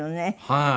はい。